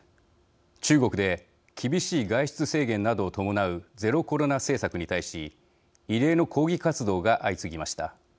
中国で、厳しい外出制限などを伴うゼロコロナ政策に対し異例の抗議活動が相次ぎました。